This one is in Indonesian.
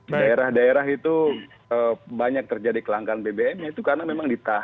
di daerah daerah itu banyak terjadi kelangkaan bbm itu karena memang ditahan